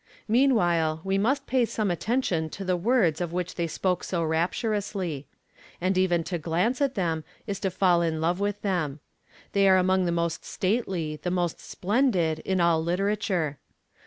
Meanwhile, we must pay some attention to the words of which they speak so rapturously. And even to glance at them is to fall in love with them. They are among the most stately, the most splendid, in all literature.